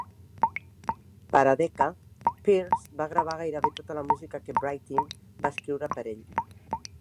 Per a Decca, Pears va gravar gairebé tota la música que Brittten va escriure per a ell.